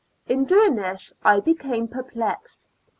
In doino^ this I be came perplexed.